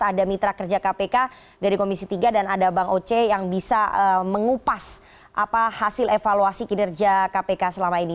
ada mitra kerja kpk dari komisi tiga dan ada bang oce yang bisa mengupas apa hasil evaluasi kinerja kpk selama ini